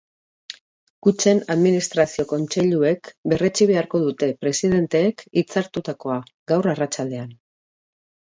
Kutxen administrazio kontseiluek berretsi beharko dute presidenteek hitzartutakoa, gaur arratsaldean.